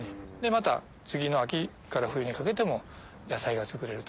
また次の秋から冬にかけても野菜が作れると。